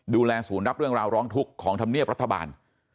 ดูแลศูนย์รับเรื่องราวร้องทุกข์ของธรรมเนียบรัฐบาล